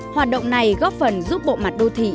hoạt động này góp phần giúp bộ mặt đô thị